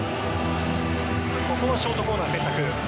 ここはショートコーナー選択。